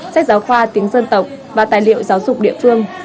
sách giáo khoa tiếng dân tộc và tài liệu giáo dục địa phương